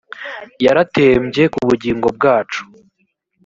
yaratembye ku bugingo bwacu